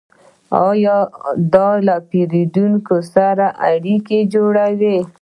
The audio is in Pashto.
دا له پیرودونکو سره اړیکه جوړوي.